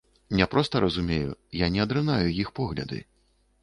Не проста разумею, я не адрынаю іх погляды.